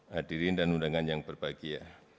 hadirin dan undangan yang berbahagia